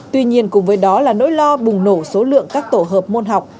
tuy nhiên cùng với đó là nỗi lo bùng nổ số lượng các tổ hợp môn học